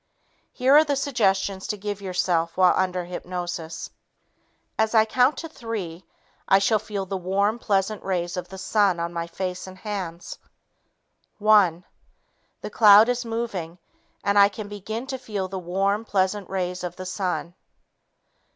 Here are the suggestions you can use: "As I count to three, I shall feel the warm, pleasant rays of the sun on my face and hands. One ... The cloud is moving, and I can begin to feel the warm, pleasant rays of the sun.